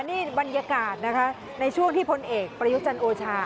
นี่บรรยากาศนะคะในช่วงที่พลเอกประยุจันทร์โอชา